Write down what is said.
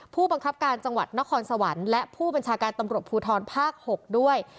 ผู้บังคับการจังหวัดนครสวรรค์และผู้บัญชาการตำรวจภูทรภาค๖ด้วย